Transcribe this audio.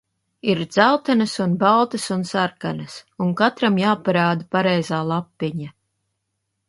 Ir dzeltenas un baltas un sarkanas. Un katram jāparāda pareizā lapiņa.